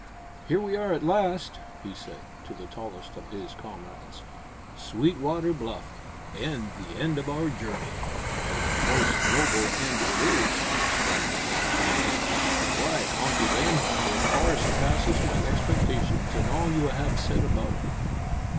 "Here we are at last," he said, to the tallest of his comrades; "Sweetwater Bluff and the end of our journey!" "And a most noble end it is!" exclaimed the tall comrade. "Why, Hunky Ben, it far surpasses my expectations and all you have said about it."